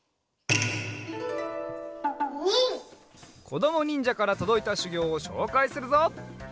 こどもにんじゃからとどいたしゅぎょうをしょうかいするぞ。